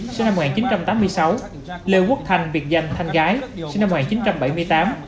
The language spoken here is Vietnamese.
sinh năm một nghìn chín trăm tám mươi sáu lê quốc thanh việt danh thanh gái sinh năm một nghìn chín trăm bảy mươi tám